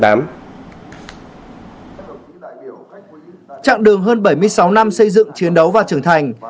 trạng đường hơn bảy mươi sáu năm xây dựng chiến đấu và trưởng thành